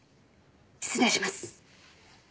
失礼します。